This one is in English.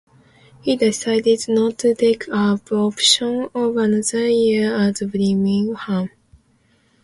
He decided not to take up the option of another year at Birmingham.